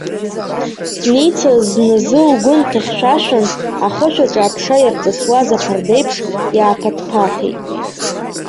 Ница зназы лгәы нҭыхьшәашәан, ахышә аҿы аԥша иарҵысуаз аԥарда еиԥш, иааԥаҭԥаҭеит.